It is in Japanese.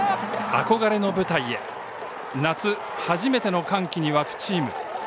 憧れの舞台へ夏、初めての歓喜に沸くチーム。